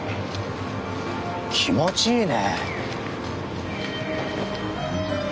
気持ちいいね。